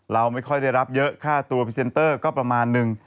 เราไม่ค่อยได้รับเยอะค่าตัวพรีเซนเตอร์ก็ประมาณนึง